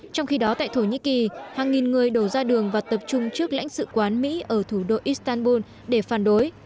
trong khi đó tại thổ nhĩ kỳ hàng nghìn người đổ ra đường và tập trung trước lãnh sự quán mỹ ở thủ đô istanbul để phản đối